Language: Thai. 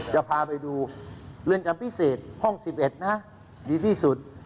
จะพาไปดูเรือนจำพิเศษห้อง๑๑นะดีที่สุด